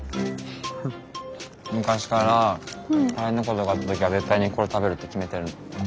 昔から大変なことがあった時は絶対にこれ食べるって決めてる。